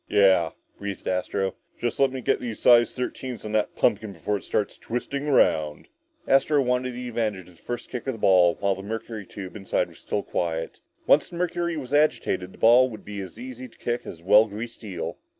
"Yeah," breathed Astro, "just let me get my size thirteens on that pumpkin before it starts twisting around!" Astro wanted the advantage of the first kick at the ball while the mercury tube inside was still quiet. Once the mercury was agitated, the ball would be as easy to kick as a well greased eel.